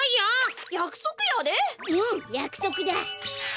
うんやくそくだ！